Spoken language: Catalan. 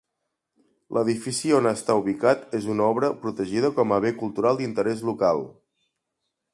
L'edifici on està ubicat és una obra protegida com a bé cultural d'interès local.